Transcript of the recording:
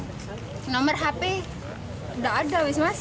nomor hp nggak ada